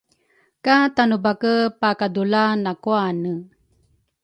ka Tanebake pakadula nakuane.